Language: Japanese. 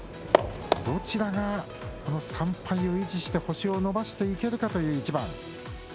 どちらがこの３敗を維持して星を伸ばしていけるかという一番。